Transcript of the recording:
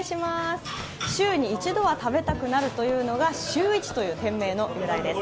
週に一度は食べたくなるというのがしゅういちという店名の由来です。